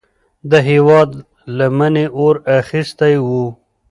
د هیواد لمنې اور اخیستی و.